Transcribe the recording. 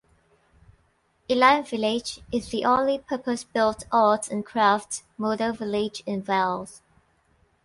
Elan Village is the only purpose-built Arts and Crafts "Model Village" in Wales.